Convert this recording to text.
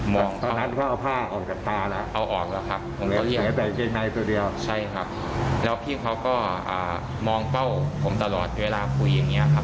ตอนนั้นเขาเอาผ้าออกจากตาล่ะใช่ครับแล้วพี่เขาก็มองเป้าผมตลอดเวลาคุยอย่างนี้ครับ